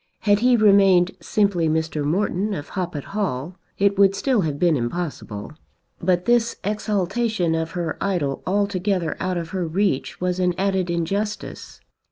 Had he remained simply Mr. Morton of Hoppet Hall it would still have been impossible. But this exaltation of her idol altogether out of her reach was an added injustice.